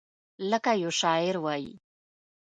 لکه یو شاعر وایي: